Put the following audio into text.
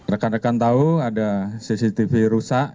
rekan rekan tahu ada cctv rusak